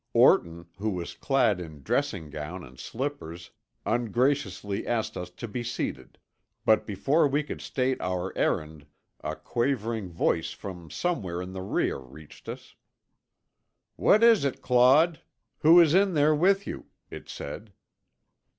Orton, who was clad in dressing gown and slippers, ungraciously asked us to be seated, but before we could state our errand a quavering voice from somewhere in the rear reached us. "What is it, Claude? Who is in there with you?" it said.